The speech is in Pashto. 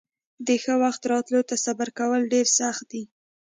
د ښه وخت راتلو ته صبر کول ډېر سخت دي.